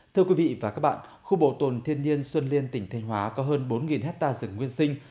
thưa quý vị và các bạn khu bảo tồn thiên nhiên xuân liên tỉnh thanh hóa có hơn bốn hectare rừng nguyên sinh